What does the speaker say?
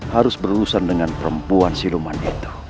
harus berurusan dengan perempuan siduman itu